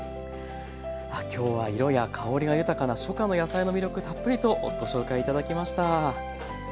今日は色や香りが豊かな初夏の野菜の魅力たっぷりとご紹介頂きました。